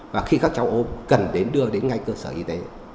và khi các cháu ốm cần đưa đến ngay cơ sở y tế